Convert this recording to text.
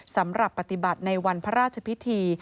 สำหรับปฏิบัติในวันพระราชพิธี